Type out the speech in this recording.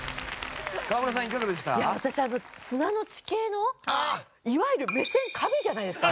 いや私あの砂の地形のいわゆる目線神じゃないですか？